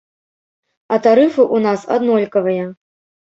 А тарыфы ў нас аднолькавыя.